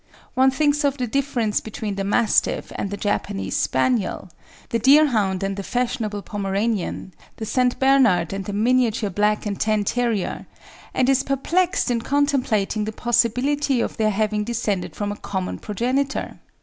One thinks of the difference between the Mastiff and the Japanese Spaniel, the Deerhound and the fashionable Pomeranian, the St. Bernard and the Miniature Black and Tan Terrier, and is perplexed in contemplating the possibility of their having descended from a common progenitor.